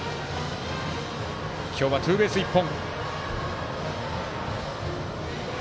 今日はツーベース１本。